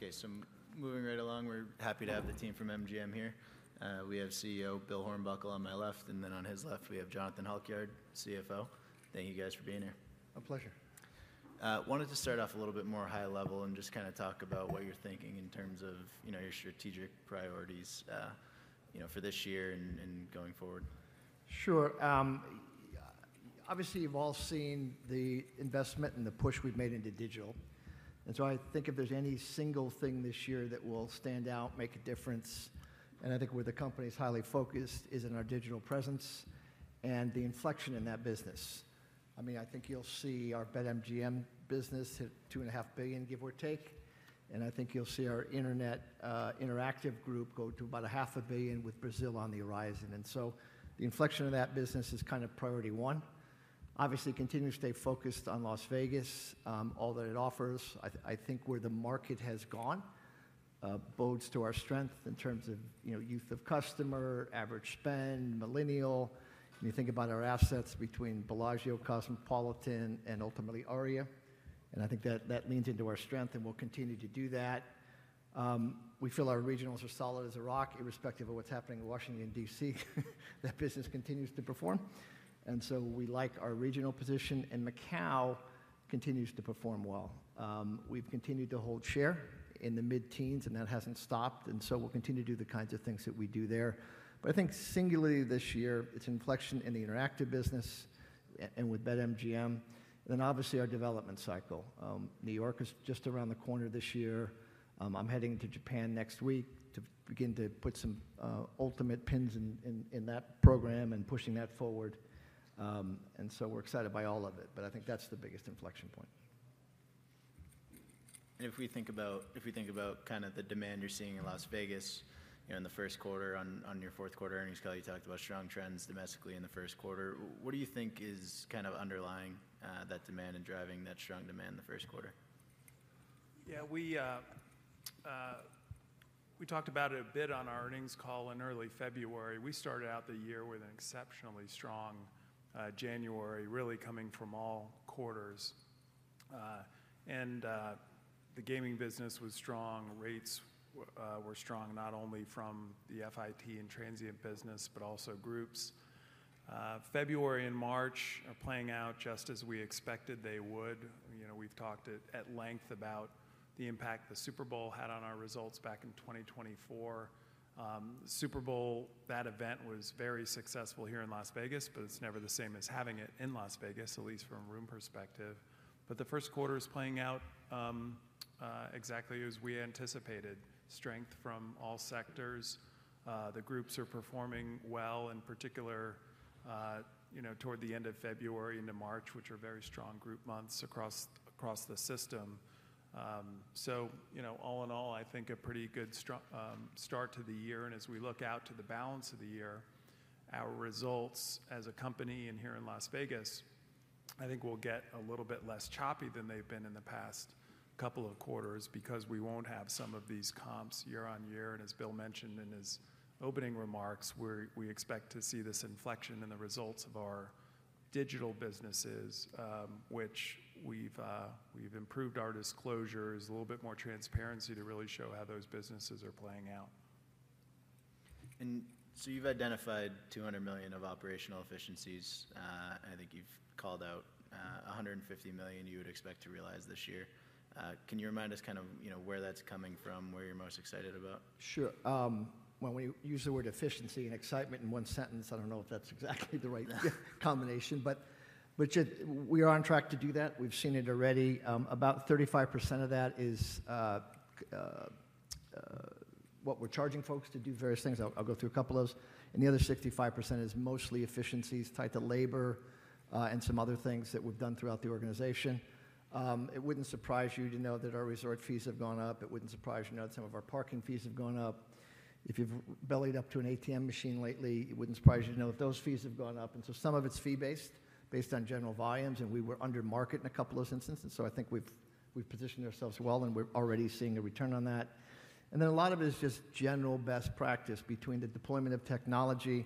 Okay, so moving right along, we're happy to have the team from MGM here. We have CEO Bill Hornbuckle on my left, and then on his left we have Jonathan Halkyard, CFO. Thank you guys for being here. A pleasure. I wanted to start off a little bit more high level and just kind of talk about what you're thinking in terms of your strategic priorities for this year and going forward. Sure. Obviously, you've all seen the investment and the push we've made into digital. I think if there's any single thing this year that will stand out, make a difference, and I think where the company is highly focused is in our digital presence and the inflection in that business. I mean, I think you'll see our BetMGM business hit $2.5 billion, give or take. I think you'll see our Internet Interactive Group go to about $500,000 with Brazil on the horizon. The inflection of that business is kind of priority one. Obviously, continue to stay focused on Las Vegas, all that it offers. I think where the market has gone bodes to our strength in terms of youth of customer, average spend, millennial. When you think about our assets between Bellagio, Cosmopolitan, and ultimately Aria, I think that leans into our strength and we'll continue to do that. We feel our regionals are solid as a rock, irrespective of what's happening in Washington, D.C., that business continues to perform. We like our regional position, and Macau continues to perform well. We've continued to hold share in the mid-teens, and that hasn't stopped. We'll continue to do the kinds of things that we do there. I think singularly this year, it's inflection in the interactive business and with BetMGM. Obviously our development cycle. New York is just around the corner this year. I'm heading to Japan next week to begin to put some ultimate pins in that program and pushing that forward. We're excited by all of it, but I think that's the biggest inflection point. If we think about kind of the demand you're seeing in Las Vegas in the first quarter, on your fourth quarter earnings call, you talked about strong trends domestically in the first quarter. What do you think is kind of underlying that demand and driving that strong demand in the first quarter? Yeah, we talked about it a bit on our earnings call in early February. We started out the year with an exceptionally strong January, really coming from all quarters. And the gaming business was strong. Rates were strong, not only from the FIT and transient business, but also groups. February and March are playing out just as we expected they would. We've talked at length about the impact the Super Bowl had on our results back in 2024. Super Bowl, that event was very successful here in Las Vegas, but it's never the same as having it in Las Vegas, at least from a room perspective. The first quarter is playing out exactly as we anticipated: strength from all sectors. The groups are performing well, in particular toward the end of February into March, which are very strong group months across the system. All in all, I think a pretty good start to the year. As we look out to the balance of the year, our results as a company and here in Las Vegas, I think will get a little bit less choppy than they've been in the past couple of quarters because we won't have some of these comps year-on-year. As Bill mentioned in his opening remarks, we expect to see this inflection in the results of our digital businesses, which we've improved our disclosures, a little bit more transparency to really show how those businesses are playing out. You've identified $200 million of operational efficiencies. I think you've called out $150 million you would expect to realize this year. Can you remind us kind of where that's coming from, where you're most excited about? Sure. When we use the word efficiency and excitement in one sentence, I don't know if that's exactly the right combination, but we are on track to do that. We've seen it already. About 35% of that is what we're charging folks to do various things. I'll go through a couple of those. The other 65% is mostly efficiencies tied to labor and some other things that we've done throughout the organization. It wouldn't surprise you to know that our resort fees have gone up. It wouldn't surprise you to know that some of our parking fees have gone up. If you've bellyed up to an ATM machine lately, it wouldn't surprise you to know that those fees have gone up. Some of it's fee-based, based on general volumes, and we were under market in a couple of instances. I think we've positioned ourselves well, and we're already seeing a return on that. A lot of it is just general best practice between the deployment of technology.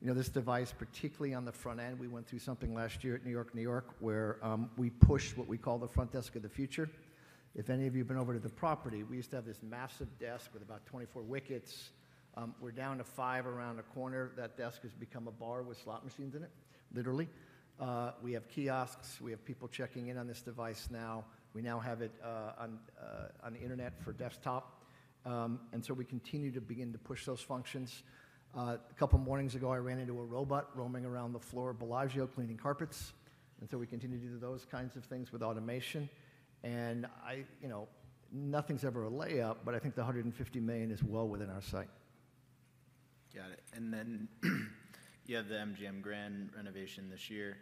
This device, particularly on the front end, we went through something last year at New York-New York, where we pushed what we call the front desk of the future. If any of you have been over to the property, we used to have this massive desk with about 24 wickets. We're down to five around the corner. That desk has become a bar with slot machines in it, literally. We have kiosks. We have people checking in on this device now. We now have it on the internet for desktop. We continue to begin to push those functions. A couple of mornings ago, I ran into a robot roaming around the floor at Bellagio cleaning carpets. We continue to do those kinds of things with automation. Nothing's ever a layup, but I think the $150 million is well within our sight. Got it. You have the MGM Grand renovation this year.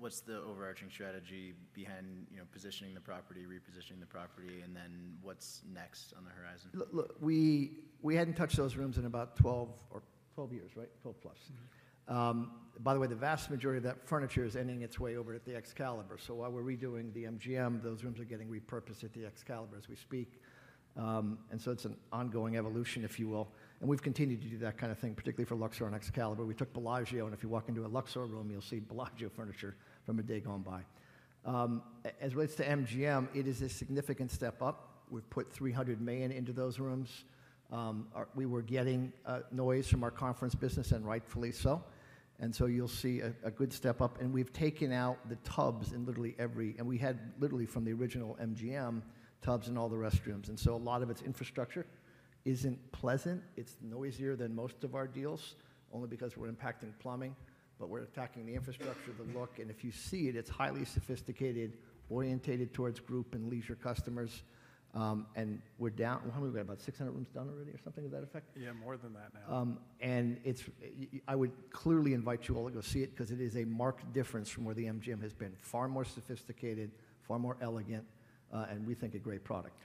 What's the overarching strategy behind positioning the property, repositioning the property, and what's next on the horizon? We hadn't touched those rooms in about 12 years, right? Twelve plus. By the way, the vast majority of that furniture is ending its way over at the Excalibur. While we're redoing the MGM, those rooms are getting repurposed at the Excalibur as we speak. It is an ongoing evolution, if you will. We've continued to do that kind of thing, particularly for Luxor and Excalibur. We took Bellagio, and if you walk into a Luxor room, you'll see Bellagio furniture from a day gone by. As it relates to MGM, it is a significant step up. We've put $300 million into those rooms. We were getting noise from our conference business, and rightfully so. You'll see a good step up. We've taken out the tubs in literally every room. We had literally from the original MGM tubs in all the restrooms. A lot of its infrastructure isn't pleasant. It's noisier than most of our deals, only because we're impacting plumbing, but we're attacking the infrastructure, the look. If you see it, it's highly sophisticated, orientated towards group and leisure customers. We're down, how many? We've got about 600 rooms done already or something to that effect? Yeah, more than that now. I would clearly invite you all to go see it because it is a marked difference from where MGM has been. Far more sophisticated, far more elegant, and we think a great product.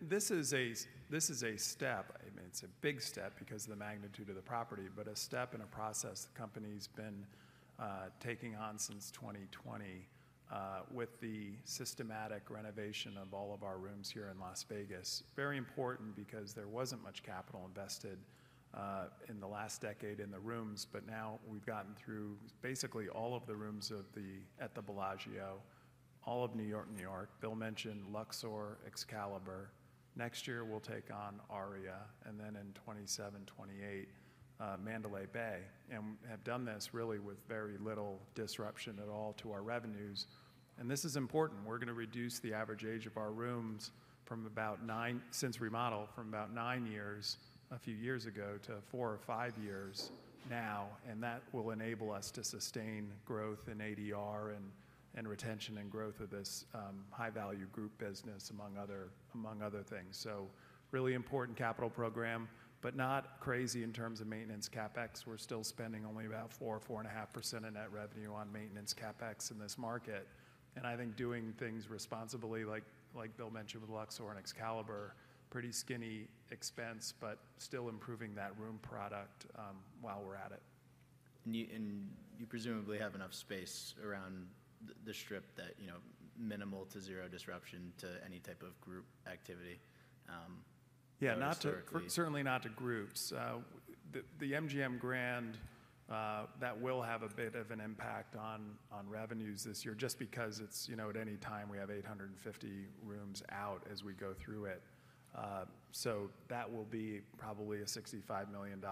This is a step. I mean, it's a big step because of the magnitude of the property, but a step in a process the company's been taking on since 2020 with the systematic renovation of all of our rooms here in Las Vegas. Very important because there wasn't much capital invested in the last decade in the rooms, but now we've gotten through basically all of the rooms at the Bellagio, all of New York-New York. Bill mentioned Luxor, Excalibur. Next year, we'll take on Aria, and then in 2027, 2028, Mandalay Bay. We have done this really with very little disruption at all to our revenues. This is important. We're going to reduce the average age of our rooms from about nine, since remodel, from about nine years a few years ago to four or five years now. That will enable us to sustain growth in ADR and retention and growth of this high-value group business, among other things. Really important capital program, but not crazy in terms of maintenance CapEx. We're still spending only about 4%-4.5% of net revenue on maintenance CapEx in this market. I think doing things responsibly, like Bill mentioned with Luxor and Excalibur, pretty skinny expense, but still improving that room product while we're at it. You presumably have enough space around the Strip that minimal to zero disruption to any type of group activity. Yeah, certainly not to groups. The MGM Grand, that will have a bit of an impact on revenues this year just because at any time we have 850 rooms out as we go through it. That will be probably a $65 million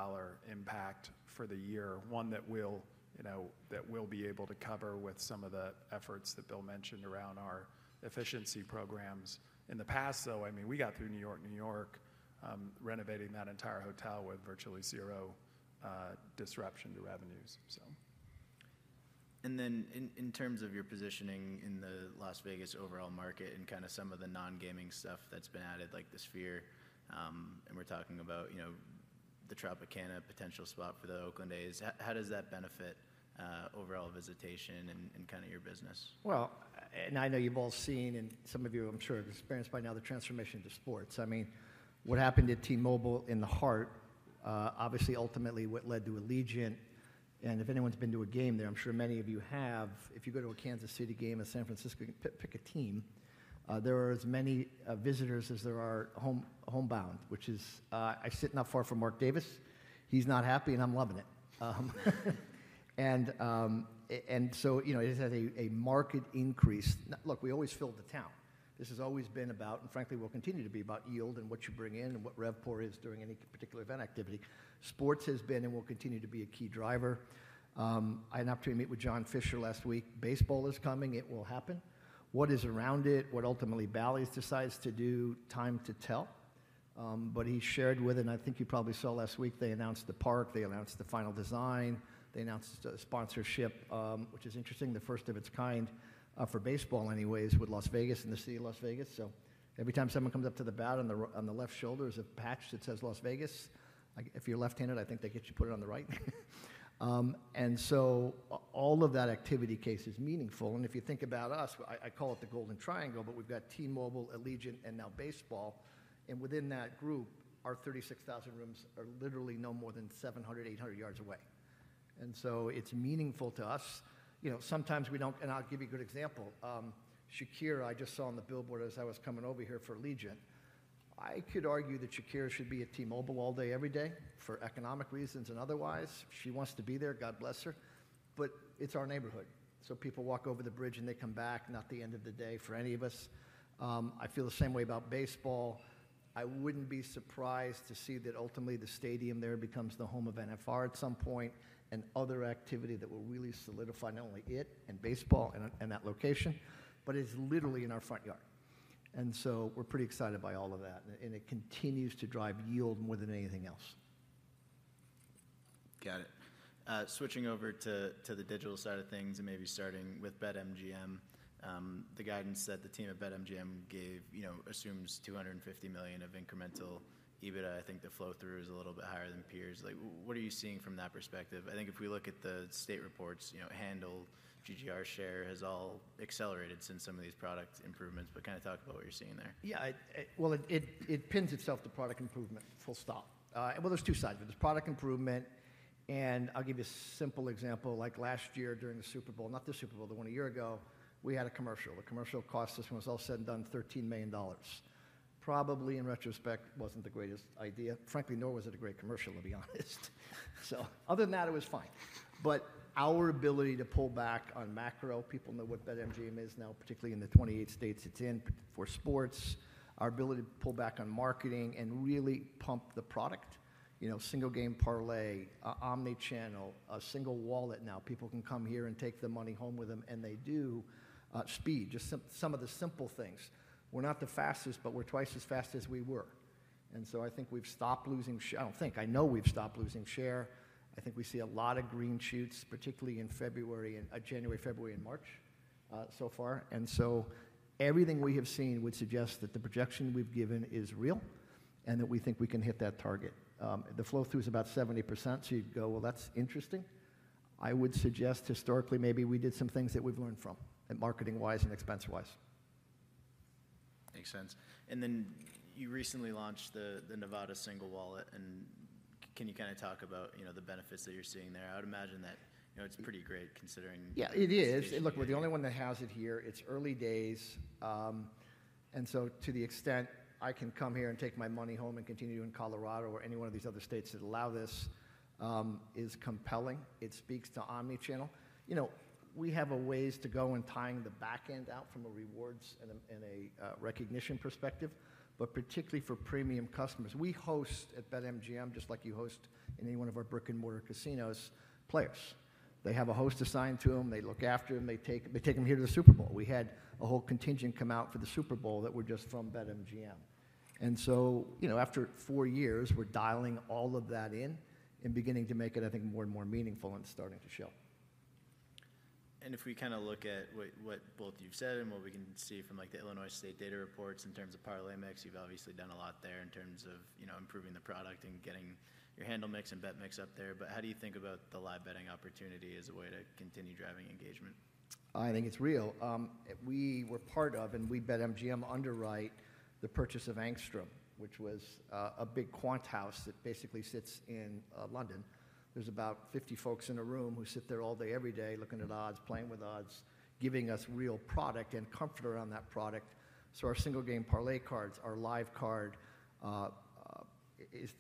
impact for the year, one that we'll be able to cover with some of the efforts that Bill mentioned around our efficiency programs. In the past, though, I mean, we got through New York-New York, renovating that entire hotel with virtually zero disruption to revenues, so. In terms of your positioning in the Las Vegas overall market and kind of some of the non-gaming stuff that's been added, like the Sphere, and we're talking about the Tropicana potential spot for the Oakland A's, how does that benefit overall visitation and kind of your business? I know you've all seen, and some of you, I'm sure, have experienced by now the transformation to sports. I mean, what happened at T-Mobile in the heart, obviously, ultimately what led to Allegiant, and if anyone's been to a game there, I'm sure many of you have, if you go to a Kansas City game in San Francisco and pick a team, there are as many visitors as there are homebound, which is I sit not far from Mark Davis. He's not happy, and I'm loving it. It has a market increase. Look, we always filled the town. This has always been about, and frankly, will continue to be about yield and what you bring in and what RevPAR is during any particular event activity. Sports has been and will continue to be a key driver. I had an opportunity to meet with John Fisher last week. Baseball is coming. It will happen. What is around it, what ultimately Bally's decides to do, time to tell. He shared with, and I think you probably saw last week, they announced the park, they announced the final design, they announced a sponsorship, which is interesting, the first of its kind for baseball anyways with Las Vegas and the city of Las Vegas. Every time someone comes up to the bat on the left shoulder is a patch that says Las Vegas. If you're left-handed, I think they get you put it on the right. All of that activity case is meaningful. If you think about us, I call it the Golden Triangle, but we've got T-Mobile, Allegiant, and now baseball. Within that group, our 36,000 rooms are literally no more than 700-800 yards away. It is meaningful to us. Sometimes we do not, and I will give you a good example. Shakira, I just saw on the billboard as I was coming over here for Allegiant. I could argue that Shakira should be at T-Mobile all day, every day, for economic reasons and otherwise. She wants to be there, God bless her. It is our neighborhood. People walk over the bridge and they come back, not the end of the day for any of us. I feel the same way about baseball. I would not be surprised to see that ultimately the stadium there becomes the home of NFR at some point and other activity that will really solidify not only it and baseball and that location, but it is literally in our front yard. We're pretty excited by all of that. It continues to drive yield more than anything else. Got it. Switching over to the digital side of things and maybe starting with BetMGM, the guidance that the team at BetMGM gave assumes $250 million of incremental EBITDA. I think the flow-through is a little bit higher than peers. What are you seeing from that perspective? I think if we look at the state reports, handle, GGR share has all accelerated since some of these product improvements, but kind of talk about what you're seeing there. Yeah, it pins itself to product improvement, full stop. There are two sides of it. There is product improvement. I'll give you a simple example. Like last year during the Super Bowl, not the Super Bowl, the one a year ago, we had a commercial. The commercial cost, system was all said and done, $13 million. Probably in retrospect, it was not the greatest idea. Frankly, nor was it a great commercial, to be honest. Other than that, it was fine. Our ability to pull back on macro, people know what BetMGM is now, particularly in the 28 states it is in for sports, our ability to pull back on marketing and really pump the product, single game parlay, omni-channel, a single wallet now. People can come here and take the money home with them, and they do speed, just some of the simple things. We're not the fastest, but we're twice as fast as we were. I think we've stopped losing share. I don't think, I know we've stopped losing share. I think we see a lot of green shoots, particularly in January, February, and March so far. Everything we have seen would suggest that the projection we've given is real and that we think we can hit that target. The flow-through is about 70%. You'd go, that's interesting. I would suggest historically maybe we did some things that we've learned from, marketing-wise and expense-wise. Makes sense. You recently launched the Nevada single wallet. Can you kind of talk about the benefits that you're seeing there? I would imagine that it's pretty great considering. Yeah, it is. Look, we're the only one that has it here. It's early days. To the extent I can come here and take my money home and continue in Colorado or any one of these other states that allow this is compelling. It speaks to omni-channel. We have a ways to go in tying the backend out from a rewards and a recognition perspective, but particularly for premium customers. We host at BetMGM, just like you host in any one of our brick-and-mortar casinos, players. They have a host assigned to them. They look after them. They take them here to the Super Bowl. We had a whole contingent come out for the Super Bowl that were just from BetMGM. After four years, we're dialing all of that in and beginning to make it, I think, more and more meaningful and starting to show. If we kind of look at what both you've said and what we can see from the Illinois State Data Reports in terms of parlay mix, you've obviously done a lot there in terms of improving the product and getting your handle mix and bet mix up there. How do you think about the live betting opportunity as a way to continue driving engagement? I think it's real. We were part of, and we BetMGM underwrite the purchase of Angstrom, which was a big quant house that basically sits in London. There's about 50 folks in a room who sit there all day, every day, looking at odds, playing with odds, giving us real product and comfort around that product. Our single game parlay cards, our live card, it's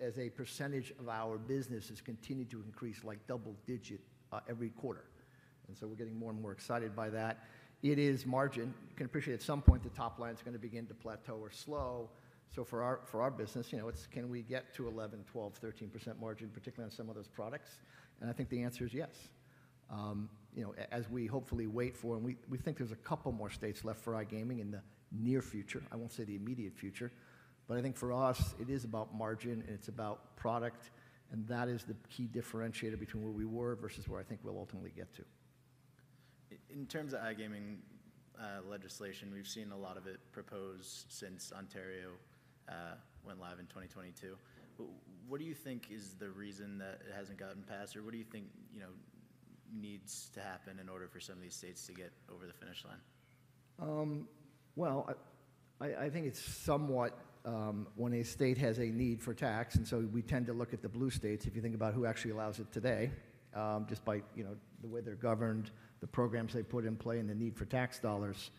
as a percentage of our business has continued to increase like double digit every quarter. We are getting more and more excited by that. It is margin. You can appreciate at some point the top line's going to begin to plateau or slow. For our business, can we get to 11%, 12%, 13% margin, particularly on some of those products? I think the answer is yes. As we hopefully wait for, and we think there's a couple more states left for iGaming in the near future. I won't say the immediate future, but I think for us, it is about margin and it's about product. And that is the key differentiator between where we were versus where I think we'll ultimately get to. In terms of iGaming legislation, we've seen a lot of it proposed since Ontario went live in 2022. What do you think is the reason that it hasn't gotten passed? What do you think needs to happen in order for some of these states to get over the finish line? I think it's somewhat when a state has a need for tax. And so we tend to look at the blue states, if you think about who actually allows it today, just by the way they're governed, the programs they put in play, and the need for tax dollars.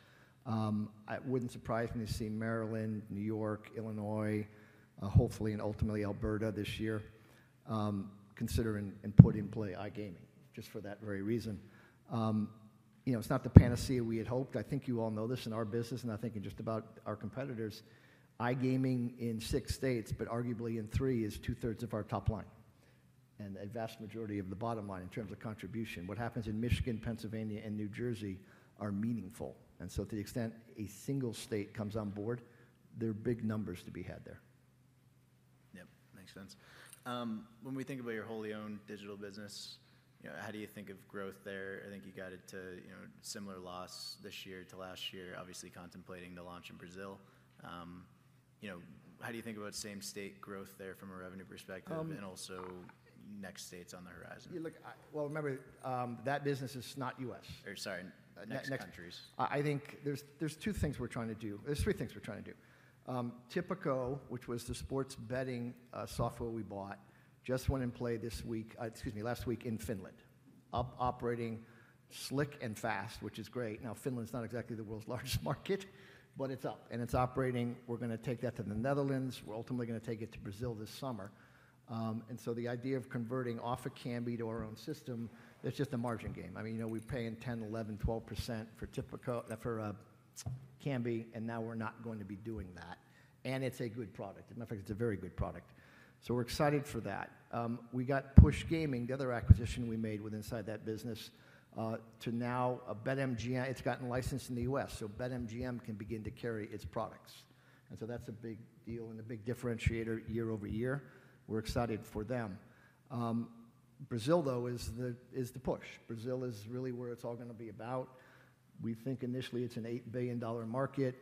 It wouldn't surprise me to see Maryland, New York, Illinois, hopefully and ultimately Alberta this year consider and put in play iGaming just for that very reason. It's not the panacea we had hoped. I think you all know this in our business, and I think in just about our competitors. iGaming in six states, but arguably in three, is two-thirds of our top line and the vast majority of the bottom line in terms of contribution. What happens in Michigan, Pennsylvania, and New Jersey are meaningful. To the extent a single state comes on board, there are big numbers to be had there. Yep, makes sense. When we think about your wholly owned digital business, how do you think of growth there? I think you got it to similar loss this year to last year, obviously contemplating the launch in Brazil. How do you think about same-state growth there from a revenue perspective and also next states on the horizon? Remember, that business is not U.S. Sorry, next countries. I think there's two things we're trying to do. There's three things we're trying to do. Tipico, which was the sports betting software we bought, just went in play this week, excuse me, last week in Finland, operating slick and fast, which is great. Now, Finland's not exactly the world's largest market, but it's up and it's operating. We're going to take that to the Netherlands. We're ultimately going to take it to Brazil this summer. The idea of converting off of Kambi to our own system, that's just a margin game. I mean, we pay in 10, 11, 12% for Kambi, and now we're not going to be doing that. It's a good product. In fact, it's a very good product. We're excited for that. We got Push Gaming, the other acquisition we made with inside that business, to now a BetMGM. It's gotten licensed in the U.S. So BetMGM can begin to carry its products. And so that's a big deal and a big differentiator year-over-year. We're excited for them. Brazil, though, is the push. Brazil is really where it's all going to be about. We think initially it's an $8 billion market.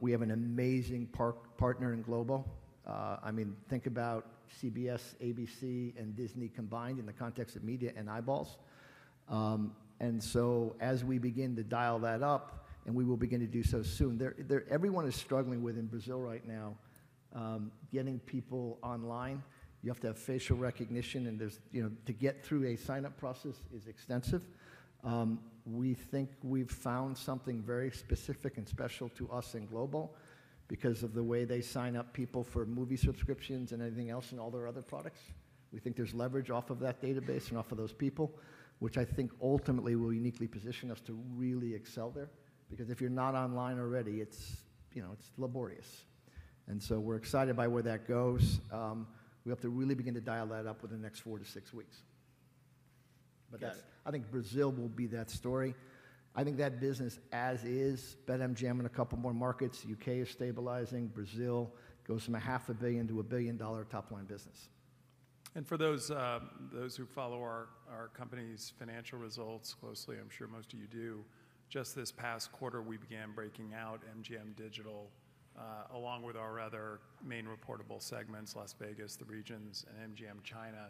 We have an amazing partner in Globo. I mean, think about CBS, ABC, and Disney combined in the context of media and eyeballs. And so as we begin to dial that up, and we will begin to do so soon, everyone is struggling with in Brazil right now getting people online. You have to have facial recognition, and to get through a sign-up process is extensive. We think we've found something very specific and special to us in Globo because of the way they sign up people for movie subscriptions and everything else and all their other products. We think there's leverage off of that database and off of those people, which I think ultimately will uniquely position us to really excel there because if you're not online already, it's laborious. We are excited by where that goes. We have to really begin to dial that up within the next four to six weeks. I think Brazil will be that story. I think that business as is, BetMGM in a couple more markets, U.K. is stabilizing, Brazil goes from $0.5 billion-$1 billion top line business. For those who follow our company's financial results closely, I'm sure most of you do, just this past quarter, we began breaking out MGM Digital along with our other main reportable segments, Las Vegas, the regions, and MGM China.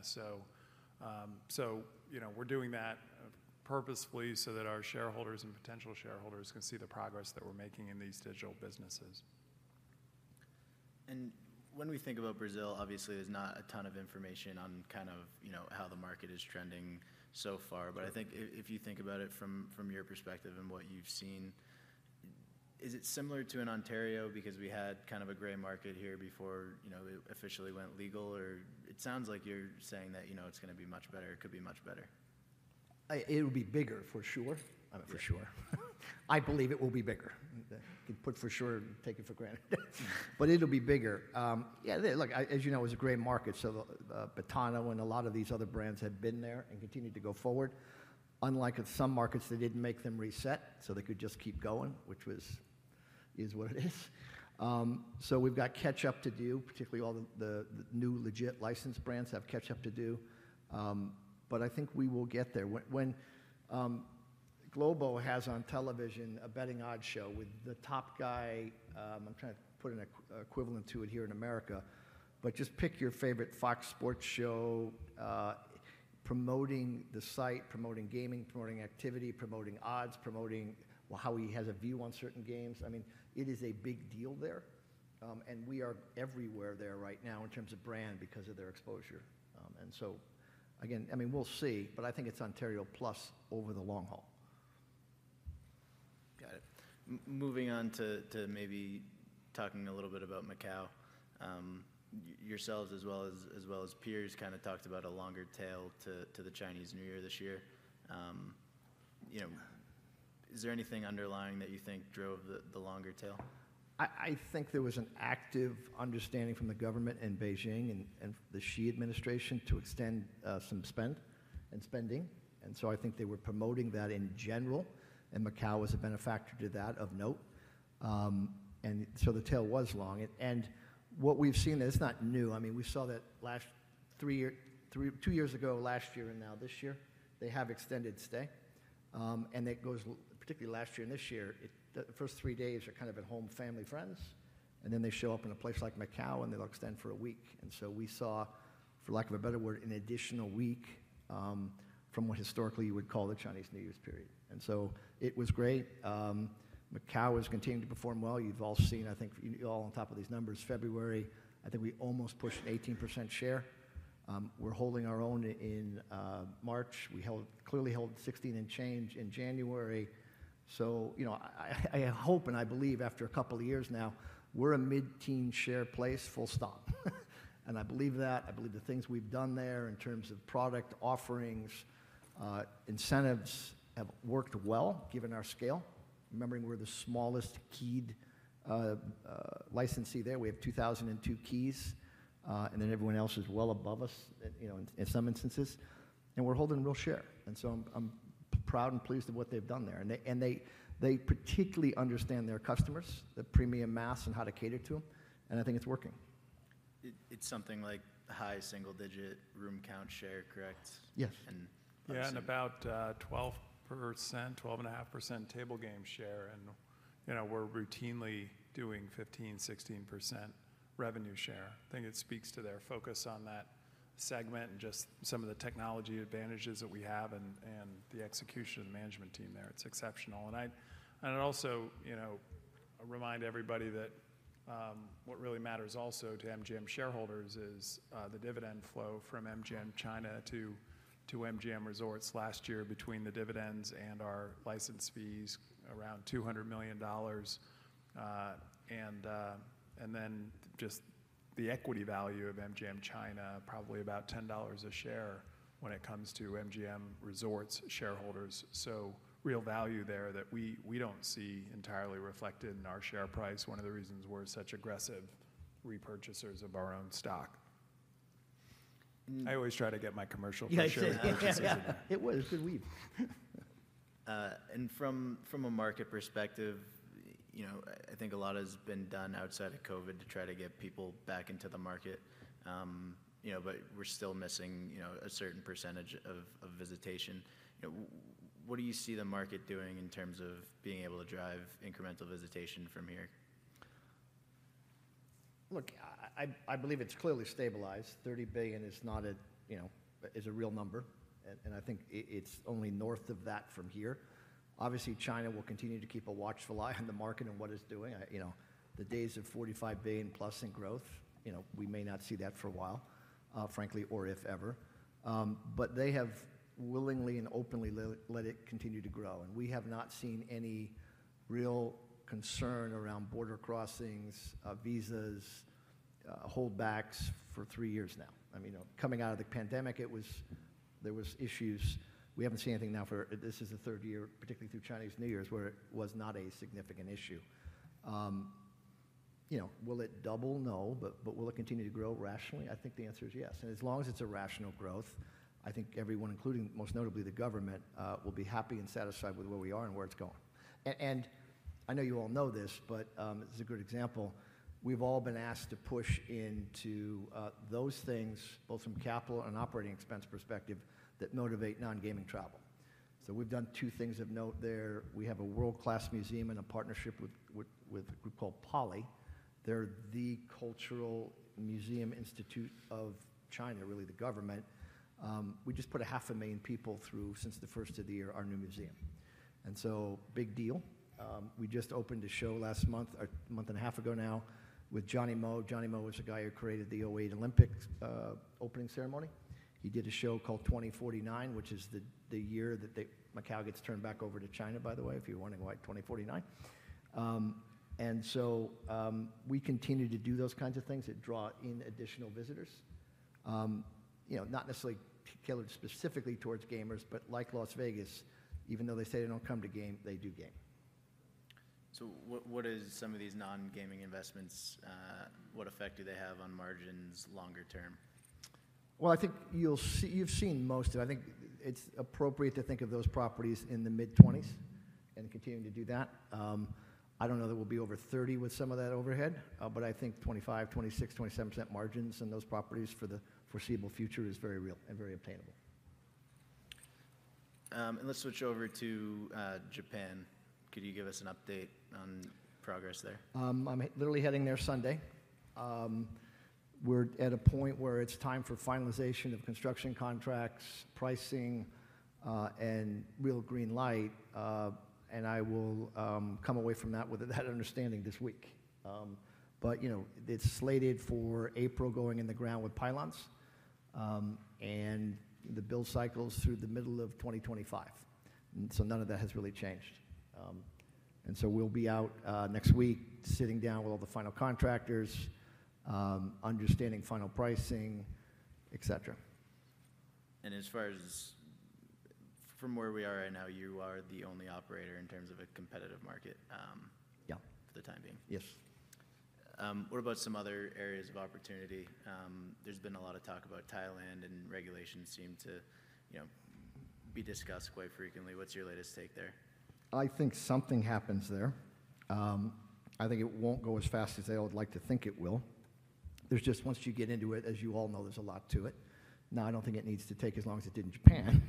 We are doing that purposefully so that our shareholders and potential shareholders can see the progress that we are making in these digital businesses. When we think about Brazil, obviously there is not a ton of information on kind of how the market is trending so far. I think if you think about it from your perspective and what you have seen, is it similar to in Ontario because we had kind of a gray market here before it officially went legal? It sounds like you are saying that it is going to be much better, it could be much better. It will be bigger, for sure. I'm for sure. I believe it will be bigger. You can put for sure and take it for granted. It will be bigger. Yeah, look, as you know, it was a gray market. So Betano and a lot of these other brands had been there and continued to go forward. Unlike some markets, they did not make them reset, so they could just keep going, which is what it is. We have got catch-up to do, particularly all the new legit licensed brands have catch-up to do. I think we will get there. When Globo has on television a betting odds show with the top guy, I am trying to put an equivalent to it here in America, but just pick your favorite Fox Sports show promoting the site, promoting gaming, promoting activity, promoting odds, promoting how he has a view on certain games. I mean, it is a big deal there. We are everywhere there right now in terms of brand because of their exposure. Again, I mean, we'll see, but I think it's Ontario plus over the long haul. Got it. Moving on to maybe talking a little bit about Macau, yourselves as well as peers kind of talked about a longer tail to the Chinese New Year this year. Is there anything underlying that you think drove the longer tail? I think there was an active understanding from the government in Beijing and the Xi administration to extend some spend and spending. I think they were promoting that in general. Macau was a benefactor to that, of note. The tail was long. What we've seen, it's not new. I mean, we saw that two years ago, last year, and now this year, they have extended stay. It goes, particularly last year and this year, the first three days are kind of at home, family, friends. They show up in a place like Macau and they'll extend for a week. We saw, for lack of a better word, an additional week from what historically you would call the Chinese New Year's period. It was great. Macau has continued to perform well. You've all seen, I think you're all on top of these numbers. February, I think we almost pushed 18% share. We're holding our own in March. We clearly held 16 and change in January. I hope and I believe after a couple of years now, we're a mid-teen share place, full stop. I believe that. I believe the things we've done there in terms of product offerings, incentives have worked well given our scale. Remembering we're the smallest keyed licensee there. We have 2,002 keys. Everyone else is well above us in some instances. We're holding real share. I'm proud and pleased of what they've done there. They particularly understand their customers, the premium mass and how to cater to them. I think it's working. It's something like high single digit room count share, correct? Yes. About 12%, 12.5% table game share. We're routinely doing 15-16% revenue share. I think it speaks to their focus on that segment and just some of the technology advantages that we have and the execution of the management team there. It's exceptional. I'd also remind everybody that what really matters also to MGM shareholders is the dividend flow from MGM China to MGM Resorts. Last year, between the dividends and our license fees, around $200 million. Just the equity value of MGM China, probably about $10 a share when it comes to MGM Resorts shareholders. Real value there that we don't see entirely reflected in our share price, one of the reasons we're such aggressive repurchasers of our own stock. I always try to get my commercial for sure. Yes, yes, yes. It did weave. From a market perspective, I think a lot has been done outside of COVID to try to get people back into the market. We're still missing a certain percentage of visitation. What do you see the market doing in terms of being able to drive incremental visitation from here? Look, I believe it's clearly stabilized. $30 billion is not a real number. I think it's only north of that from here. Obviously, China will continue to keep a watchful eye on the market and what it's doing. The days of $45 billion plus in growth, we may not see that for a while, frankly, or if ever. They have willingly and openly let it continue to grow. We have not seen any real concern around border crossings, visas, holdbacks for three years now. I mean, coming out of the pandemic, there were issues. We haven't seen anything now for, this is the third year, particularly through Chinese New Year's, where it was not a significant issue. Will it double? No, but will it continue to grow rationally? I think the answer is yes. As long as it's a rational growth, I think everyone, including most notably the government, will be happy and satisfied with where we are and where it's going. I know you all know this, but this is a good example. We've all been asked to push into those things, both from capital and operating expense perspective, that motivate non-gaming travel. We've done two things of note there. We have a world-class museum and a partnership with a group called Poly. They're the cultural museum institute of China, really the government. We just put 500,000 people through since the first of the year, our new museum. Big deal. We just opened a show last month, a month and a half ago now, with Zhang Yimou. Zhang Yimou was the guy who created the 2008 Olympic opening ceremony. He did a show called 2049, which is the year that Macau gets turned back over to China, by the way, if you're wondering why 2049. We continue to do those kinds of things that draw in additional visitors. Not necessarily tailored specifically towards gamers, but like Las Vegas, even though they say they don't come to game, they do game. What is some of these non-gaming investments? What effect do they have on margins longer term? I think you've seen most of it. I think it's appropriate to think of those properties in the mid-20s and continuing to do that. I don't know that we'll be over 30 with some of that overhead, but I think 25%, 26%, 27% margins in those properties for the foreseeable future is very real and very obtainable. Let's switch over to Japan. Could you give us an update on progress there? I'm literally heading there Sunday. We're at a point where it's time for finalization of construction contracts, pricing, and real green light. I will come away from that with that understanding this week. It's slated for April going in the ground with pylons and the build cycles through the middle of 2025. None of that has really changed. We'll be out next week sitting down with all the final contractors, understanding final pricing, etc. As far as from where we are right now, you are the only operator in terms of a competitive market for the time being? Yes. What about some other areas of opportunity? There's been a lot of talk about Thailand and regulations seem to be discussed quite frequently. What's your latest take there? I think something happens there. I think it won't go as fast as they would like to think it will. There's just, once you get into it, as you all know, there's a lot to it. I don't think it needs to take as long as it did in Japan,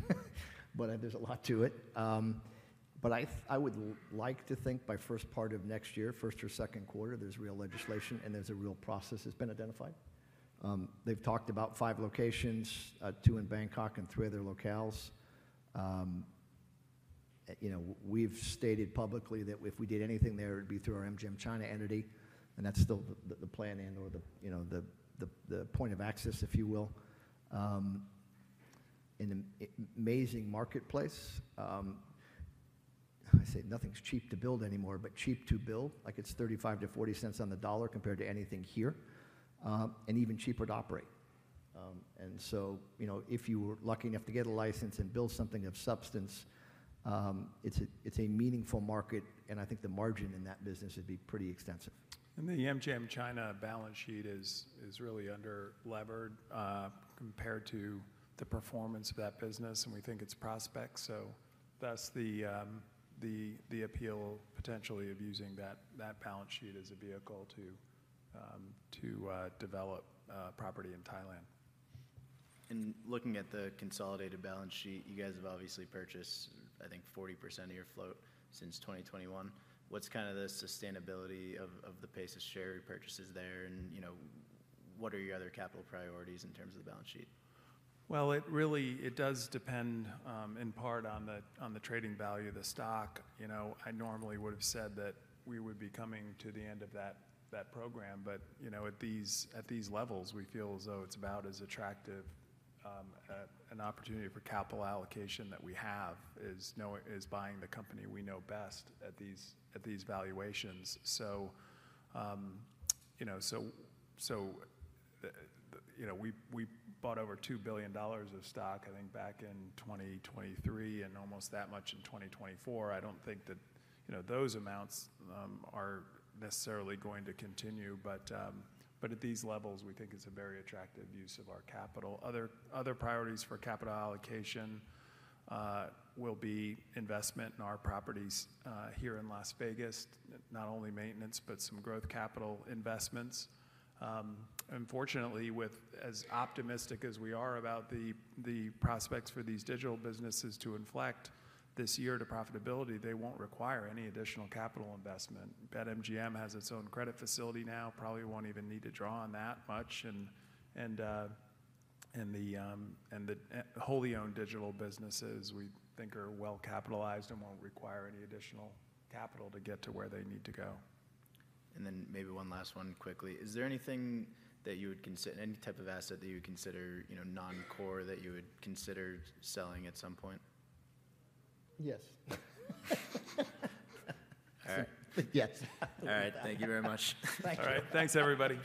but there's a lot to it. I would like to think by first part of next year, first or second quarter, there's real legislation and there's a real process that's been identified. They've talked about five locations, two in Bangkok and three other locales. We've stated publicly that if we did anything there, it would be through our MGM China entity. That's still the plan and/or the point of access, if you will. An amazing marketplace. I say nothing's cheap to build anymore, but cheap to build, like it's 35%-40% on the dollar compared to anything here, and even cheaper to operate. If you were lucky enough to get a license and build something of substance, it's a meaningful market. I think the margin in that business would be pretty extensive. The MGM China balance sheet is really under-levered compared to the performance of that business. We think its prospect. That is the appeal potentially of using that balance sheet as a vehicle to develop property in Thailand. Looking at the consolidated balance sheet, you guys have obviously purchased, I think, 40% of your float since 2021. What is the sustainability of the pace of share purchases there? What are your other capital priorities in terms of the balance sheet? It really does depend in part on the trading value of the stock. I normally would have said that we would be coming to the end of that program. At these levels, we feel as though it is about as attractive an opportunity for capital allocation that we have as buying the company we know best at these valuations. We bought over $2 billion of stock, I think, back in 2023 and almost that much in 2024. I do not think that those amounts are necessarily going to continue. At these levels, we think it is a very attractive use of our capital. Other priorities for capital allocation will be investment in our properties here in Las Vegas, not only maintenance, but some growth capital investments. Unfortunately, as optimistic as we are about the prospects for these digital businesses to inflect this year to profitability, they will not require any additional capital investment. BetMGM has its own credit facility now. Probably will not even need to draw on that much. The wholly owned digital businesses we think are well capitalized and will not require any additional capital to get to where they need to go. Maybe one last one quickly. Is there anything that you would consider, any type of asset that you would consider non-core that you would consider selling at some point? Yes. All right. Yes. All right. Thank you very much. Thank you. All right. Thanks, everybody.